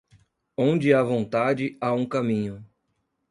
Onde há vontade, há um caminho.